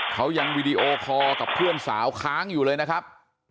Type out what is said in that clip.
เขายังวีดีโอคอร์กับเพื่อนสาวค้างอยู่เลยนะครับ